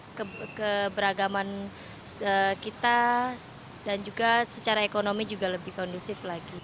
untuk keberagaman kita dan juga secara ekonomi juga lebih kondusif lagi